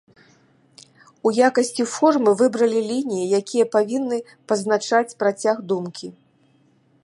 У якасці формы выбралі лініі, якія павінны пазначаць працяг думкі.